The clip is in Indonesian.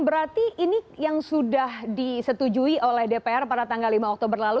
berarti ini yang sudah disetujui oleh dpr pada tanggal lima oktober lalu